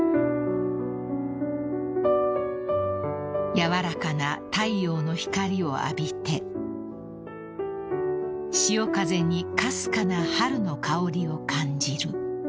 ［柔らかな太陽の光を浴びて潮風にかすかな春の香りを感じる］